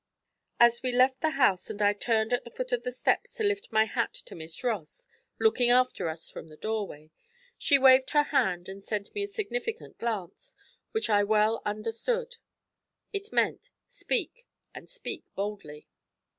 As we left the house and I turned at the foot of the steps to lift my hat to Miss Ross, looking after us from the doorway, she waved her hand and sent me a significant glance, which I well understood. It meant, 'Speak, and speak boldly.'